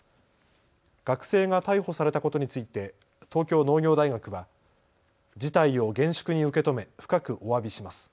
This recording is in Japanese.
学生が逮捕されたことについて東京農業大学は事態を厳粛に受け止め深くおわびします。